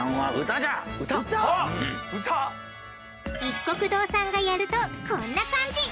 いっこく堂さんがやるとこんな感じ！